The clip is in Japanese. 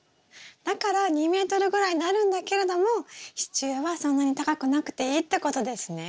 だから２ｍぐらいになるんだけれども支柱はそんなに高くなくていいってことですね？